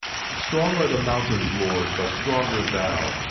Strong are the mountains, Lord, but stronger thou